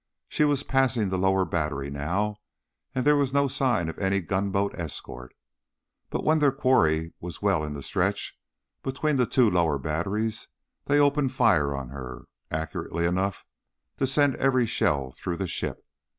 She was passing the lower battery now, and there was no sign of any gunboat escort. But when their quarry was well in the stretch between the two lower batteries, they opened fire on her, accurately enough to send every shell through the ship.